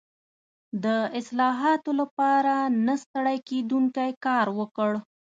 د اصلاحاتو لپاره نه ستړی کېدونکی کار وکړ.